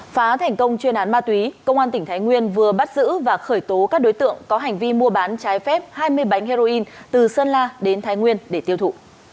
phá thành công chuyên án ma túy công an tỉnh thái nguyên vừa bắt giữ và khởi tố các đối tượng có hành vi mua bán trái phép hai mươi bánh heroin từ sơn la đến thái nguyên để tiêu thụ